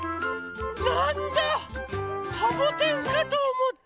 なんだサボテンかとおもった。